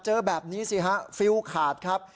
เจอแบบนี้สิฮะฟิลขาดครับ